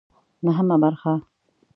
نهمه برخه